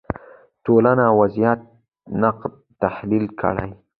ټولنو وضعیت نقد تحلیل کړي